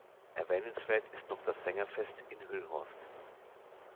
Erwähnenswert ist noch das Sängerfest in Hüllhorst.